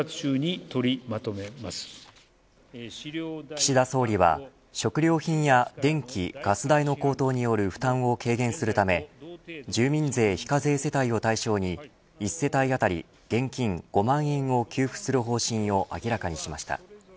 岸田総理は、食料品や電気、ガス代の高騰による負担を軽減するため住民税非課税世帯を対象に１世帯当たり現金５万円を給付する方針を明らかにしました。